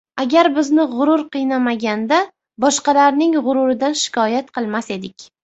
Agar bizni g‘urur qiynamaganda, boshqalarning g‘ururidan shikoyat qilmas edik.